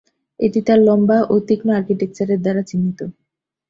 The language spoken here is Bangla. এটি তার লম্বা এবং তীক্ষ্ণ আর্কিটেকচারের দ্বারা চিহ্নিত।